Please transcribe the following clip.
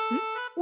お！